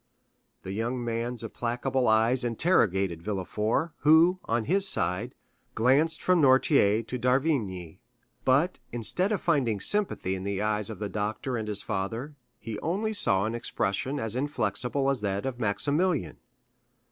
The young man's implacable eyes interrogated Villefort, who, on his side, glanced from Noirtier to d'Avrigny. But instead of finding sympathy in the eyes of the doctor and his father, he only saw an expression as inflexible as that of Maximilian.